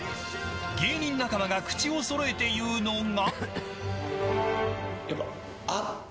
芸人仲間が口をそろえて言うのが。